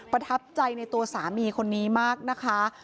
ประทับใจในตัวสามีคนนี้มากนะคะ